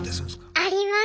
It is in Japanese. あります。